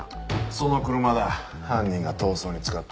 その車だ犯人が逃走に使ったのは。